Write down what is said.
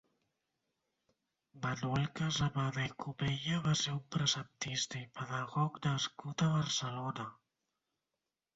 Manuel Casamada i Comella va ser un preceptista i pedagog nascut a Barcelona.